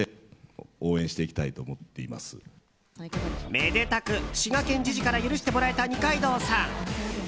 めでたく滋賀県知事から許してもらえた二階堂さん。